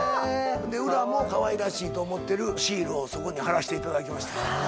裏もかわいらしいと思ってるシールをそこに貼らしていただきました。